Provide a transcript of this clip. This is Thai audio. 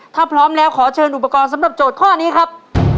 ถ้าพร้อมแล้วขอเชิญอุปกรณ์สำหรับโจทย์ข้อนี้ครับ